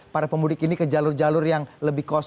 para pemudik ini ke jalur jalur yang lebih kosong